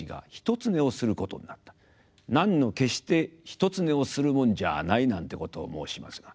「男女決して一つ寝をするもんじゃない」なんてことを申しますが。